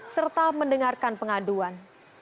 serta mendengarkan pengaduan